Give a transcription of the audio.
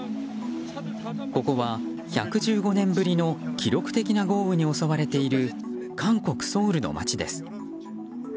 ここは１１５年ぶりの記録的な豪雨に襲われている韓国ソウルの街です。